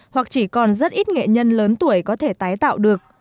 hoặc chỉ còn rất ít nghệ nhân lớn tuổi có thể tái tạo được